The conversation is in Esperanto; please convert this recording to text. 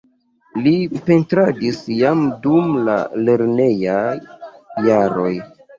Li pentradis jam dum la lernejaj jaroj.